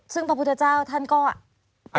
ซึ่งพระพุทธเจ้าท่านก็